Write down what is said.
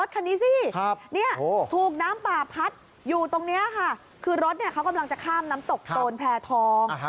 คัดอยู่ตรงนี้ค่ะคือรถเขากำลังจะข้ามน้ำตกโตนแพร่ทอง